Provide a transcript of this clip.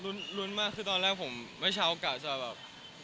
อ๋อบัตรรุ้นมากคือตอนแรกผมไม่เช้าโอกาสจะแบบ